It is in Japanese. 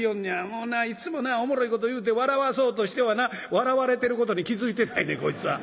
もうないつもなおもろいこと言うて笑わそうとしてはな笑われてることに気付いてないねんこいつは。